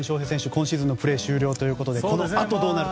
今シーズンのプレー終了ということでこのあとどうなるか。